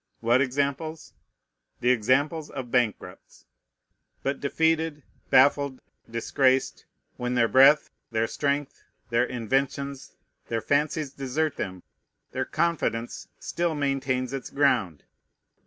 What examples? The examples of bankrupts. But defeated, baffled, disgraced, when their breath, their strength, their inventions, their fancies desert them, their confidence still maintains its ground.